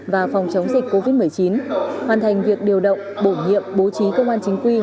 và phòng chống dịch covid một mươi chín hoàn thành việc điều động bổ nhiệm bố trí công an chính quy